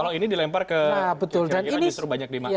kalau ini dilempar ke kira kira justru banyak di makna makna masyarakatnya